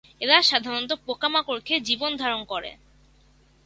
এরা সাধারণত পোকামাকড় খেয়ে জীবন ধারণ করে।